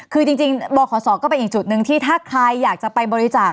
คือจริงบขศก็เป็นอีกจุดหนึ่งที่ถ้าใครอยากจะไปบริจาค